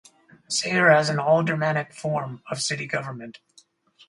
Sayer has an aldermanic form of city government.